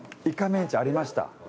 イカメンチありました。